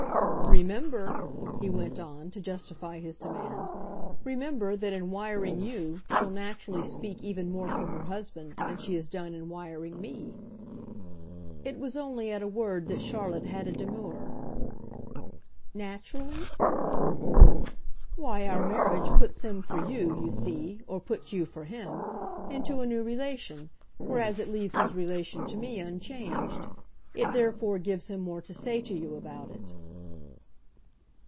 "Remember," he went on, to justify his demand, "remember that in wiring you she'll naturally speak even more for her husband than she has done in wiring me." It was only at a word that Charlotte had a demur. "'Naturally' ?" "Why, our marriage puts him for you, you see or puts you for him into a new relation, whereas it leaves his relation to me unchanged. It therefore gives him more to say to you about it."